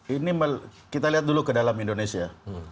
ini kita lihat dulu ke dalam indonesia